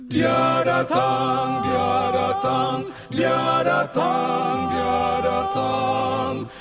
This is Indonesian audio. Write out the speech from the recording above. dia datang dia datang dia datang dia datang